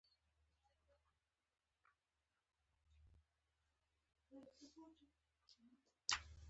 پوښتنه مې وکړه چې کانت ګریفي اوسمهال چیرې دی.